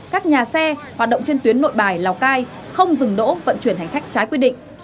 các nhà xe hoạt động trên tuyến nội bài lào cai không dừng đỗ vận chuyển hành khách trái quy định